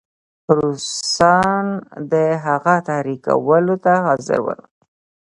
روسان د هغه تحریکولو ته حاضر ول.